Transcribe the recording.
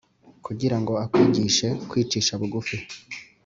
kugira ngo akwigishe kwicisha bugufi